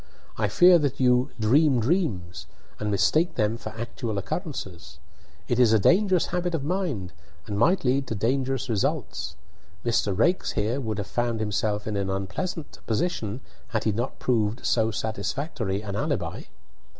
I fear that you 'dream dreams,' and mistake them for actual occurrences. It is a dangerous habit of mind, and might lead to dangerous results. Mr. Raikes here would have found himself in an unpleasant position had he not proved so satisfactory an alibi."